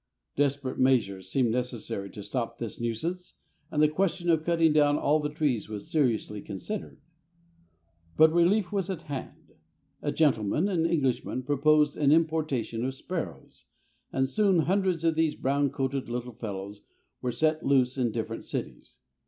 Desperate measures seemed necessary to stop this nuisance, and the question of cutting down all the trees was seriously considered. But relief was at hand. A gentleman, an Englishman, proposed an importation of sparrows, and soon hundreds of these brown coated little fellows were set loose in different cities.